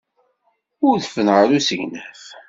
Udfen ɣer usegnaf.